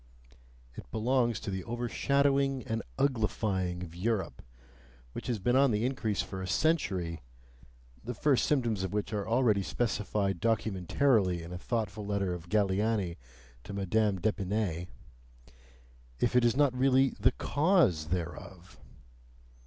It belongs to the overshadowing and uglifying of Europe, which has been on the increase for a century (the first symptoms of which are already specified documentarily in a thoughtful letter of Galiani to Madame d'Epinay) IF IT IS NOT REALLY THE CAUSE THEREOF!